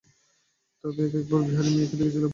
তবে এক বার একটি বিহারি মেয়েকে দেখেছিলাম।